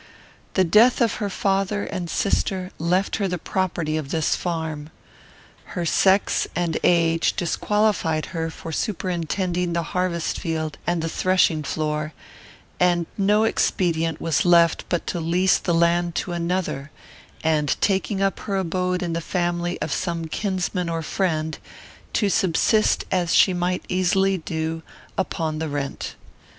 The death of her father and sister left her the property of this farm. Her sex and age disqualified her for superintending the harvest field and the threshing floor; and no expedient was left but to lease the land to another, and, taking up her abode in the family of some kinsman or friend, to subsist, as she might easily do, upon the rent.